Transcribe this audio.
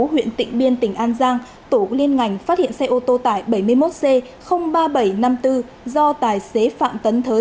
huyện tịnh biên tỉnh an giang tổ liên ngành phát hiện xe ô tô tải bảy mươi một c ba nghìn bảy trăm năm mươi bốn do tài xế phạm tấn thới